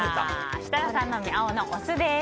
設楽さんのみ、青の酢です。